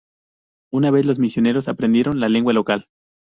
Una vez los misioneros aprendieron la lengua local.